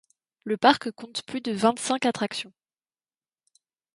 Le parc compte plus de vingt-cinq attractions.